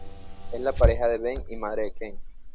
Es la pareja de Ben y madre de Ken.